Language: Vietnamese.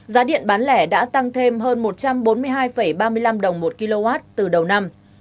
giá điện bán lẻ đã tăng thêm hơn một trăm bốn mươi hai ba mươi năm đồng một kwh từ đầu năm